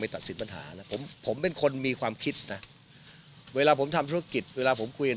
ตัดสินปัญหานะผมผมเป็นคนมีความคิดนะเวลาผมทำธุรกิจเวลาผมคุยกัน